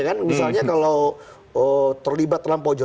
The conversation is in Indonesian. kan misalnya kalau terlibat dalam pojol